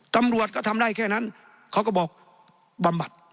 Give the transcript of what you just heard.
ตำรวจก็ทำได้แค่นั้นเขาก็บอกบำบัด